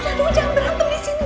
lalu mino jangan berantem disini